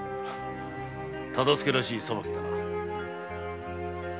忠相らしい裁きじゃな。